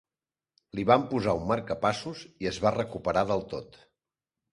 Li van posar un marcapassos i es va recuperar del tot.